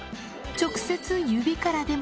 直接指からでも。